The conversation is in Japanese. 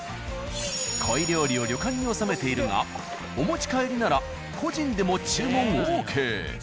鯉料理を旅館に納めているがお持ち帰りなら個人でも注文ＯＫ。